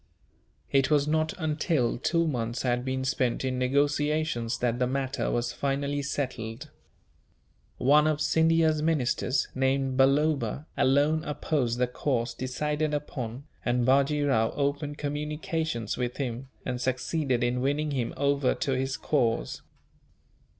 It was not until two months had been spent in negotiations that the matter was finally settled. One of Scindia's ministers, named Balloba, alone opposed the course decided upon; and Bajee Rao opened communications with him, and succeeded in winning him over to his cause.